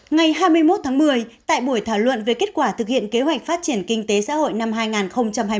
ngày hai mươi một tháng một mươi tại buổi thảo luận về kết quả thực hiện kế hoạch phát triển kinh tế xã hội năm hai nghìn hai mươi